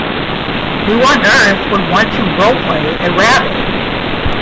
'Who on earth would want to roleplay a rabbit?